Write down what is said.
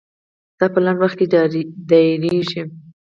دا په لنډ وخت کې دایریږي.